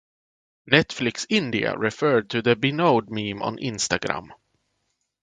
Netflix India referred to the Binod meme on Instagram.